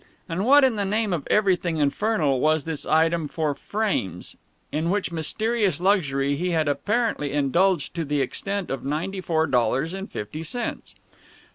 And what in the name of everything infernal was this item for "Frames," in which mysterious luxury he had apparently indulged to the extent of ninety four dollars and fifty cents?